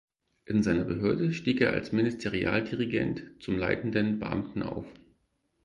In seiner Behörde stieg er als Ministerialdirigent zum leitenden Beamten auf.